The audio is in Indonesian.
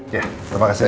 iya terima kasih